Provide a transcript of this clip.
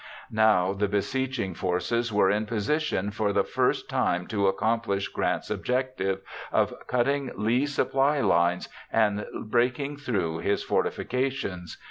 Now the besieging forces were in position for the first time to accomplish Grant's objective of cutting Lee's supply lines and breaking through his fortifications.